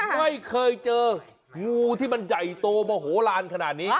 ไม่เคยเจองูที่มันใหญ่โตโมโหลานขนาดนี้